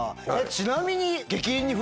ちなみに。